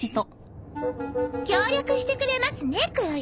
協力してくれますね黒磯。